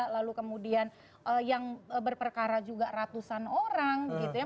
lalu kemudian yang berperkara juga ratusan orang gitu ya